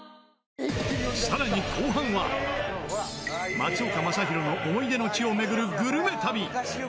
松岡昌宏の思い出の地を巡るグルメ旅